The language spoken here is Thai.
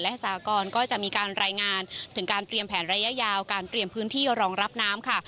และสากรก็จะมีการรายงานถึงการเตรียมแผนระยะยาวการเตรียมพื้นที่รองรับน้ำค่ะ